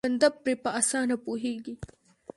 بنده پرې په اسانه پوهېږي.